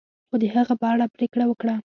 خو د هغه په اړه پریکړه وکړه.